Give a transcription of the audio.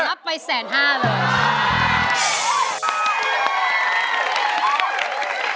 รับไปแสนห้าเลย